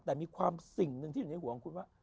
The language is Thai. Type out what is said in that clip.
แต่มีความสิ่งหนึ่งที่อยู่ในหัวของคุณว่า